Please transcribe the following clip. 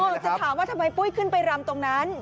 จะถามว่าทำไมปุ้ยขึ้นไปรำตรงนั้น